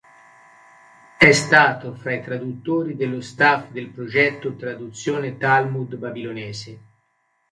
È stato fra i traduttori dello staff del Progetto Traduzione Talmud babilonese.